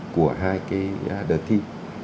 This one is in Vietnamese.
của hai cái đợt thi